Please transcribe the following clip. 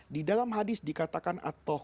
di dalam hadis dikatakan